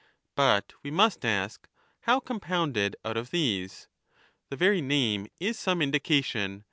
But we must ask — how compounded out of these ? The very name is some indication.